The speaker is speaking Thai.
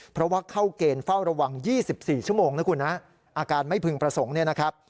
เพราะว่าเข้าเกณฑ์เฝ้าระวัง๒๔ชั่วโมงอาการไม่พึงประสงค์